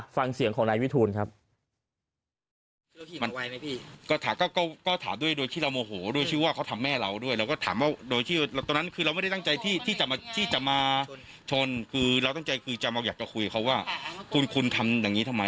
ฟังเสียงของนายวิทูลครับ